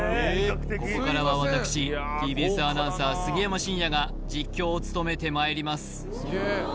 ここからは私ＴＢＳアナウンサー杉山真也が実況を務めてまいります